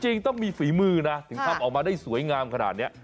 จริงต้องมีฝีมือนะถึงทำออกมาได้สวยงามขนาดนี้